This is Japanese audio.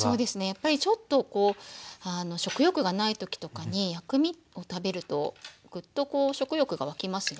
やっぱりちょっとこう食欲がない時とかに薬味を食べるとぐっとこう食欲が湧きますよね。